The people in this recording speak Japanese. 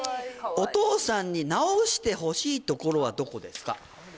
お父さんに直してほしいところはどこですか？